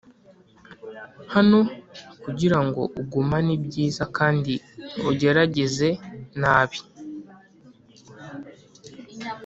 hano kugirango ugumane ibyiza kandi ugerageze nabi.